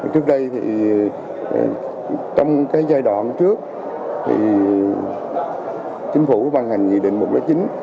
trước đây thì trong cái giai đoạn trước thì chính phủ ban hành nghị định một trăm linh chín